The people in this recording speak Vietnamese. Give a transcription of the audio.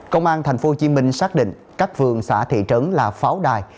công an tp hcm xác định các phường xã thị trấn là pháo đài